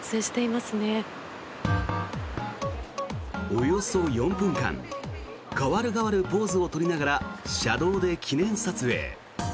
およそ４分間代わる代わるポーズを取りながら車道で記念撮影。